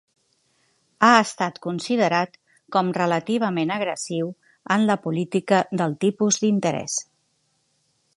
Ha estat considerat com relativament agressiu en la política del tipus d'interès.